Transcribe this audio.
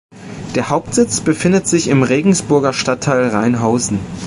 Der Hauptsitz befindet sich im Regensburger Stadtteil Reinhausen.